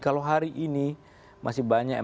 kalau hari ini masih banyak yang